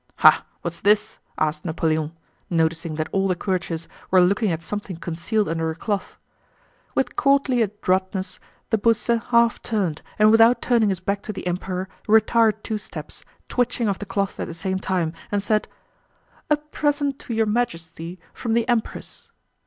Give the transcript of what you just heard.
"Ha, what's this?" asked Napoleon, noticing that all the courtiers were looking at something concealed under a cloth. With courtly adroitness de Beausset half turned and without turning his back to the Emperor retired two steps, twitching off the cloth at the same time, and said: "A present to Your Majesty from the Empress."